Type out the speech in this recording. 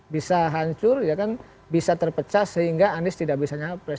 bisa hancur bisa terpecah sehingga anis tidak bisa nyapres